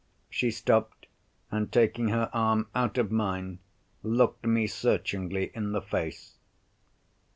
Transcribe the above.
She stopped, and taking her arm out of mine, looked me searchingly in the face.